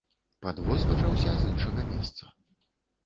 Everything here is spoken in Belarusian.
Падвоз пачаўся з іншага месца.